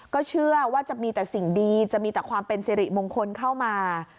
ก็เชื่อว่าจะมีแต่สิ่งดีจะมีแต่ความเป็นสิริมงคลเข้ามา